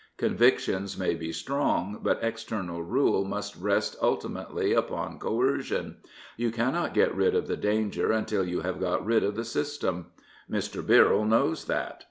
Convictions may be strong, but external rule must rest ultimately upon coercion. You cannot get rid of the danger until you have got rid of the system. Mr. Birrell knows that.